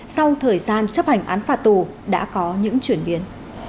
sau thời gian chấp hành án phạt tù đã có những chuyển biến